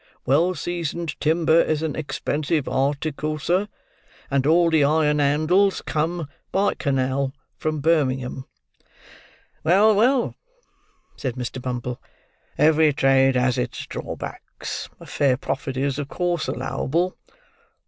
Well seasoned timber is an expensive article, sir; and all the iron handles come, by canal, from Birmingham." "Well, well," said Mr. Bumble, "every trade has its drawbacks. A fair profit is, of course, allowable."